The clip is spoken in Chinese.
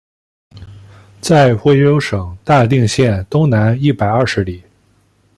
在贵州省大定县东南一百二十里。